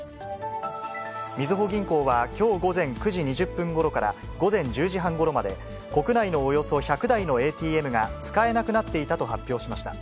みずほ銀行は、きょう午前９時２０分ごろから午前１０時半ごろまで、国内のおよそ１００台のＡＴＭが使えなくなっていたと発表しました。